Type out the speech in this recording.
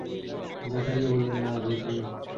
জাকারিয়া বললেন, না বসব না।